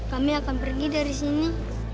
kami akan pergi dari sini